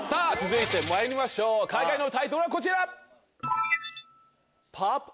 続いてまいりましょう海外のタイトルはこちら！